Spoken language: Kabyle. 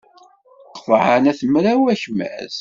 Qeḍɛen At Mraw akmaz.